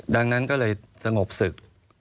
ดังนั้นก็เลยสงบศึก